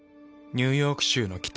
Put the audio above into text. ニューヨーク州の北。